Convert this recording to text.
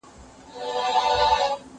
زه اجازه لرم چي قلمان کاروم،